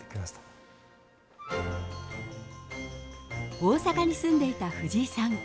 大阪に住んでいた藤井さん。